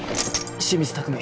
清水拓海